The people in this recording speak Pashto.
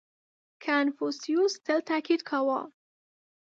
• کنفوسیوس تل تأکید کاوه.